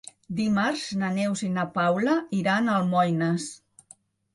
Dimarts na Neus i na Paula iran a Almoines.